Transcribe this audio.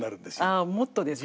ああもっとですか。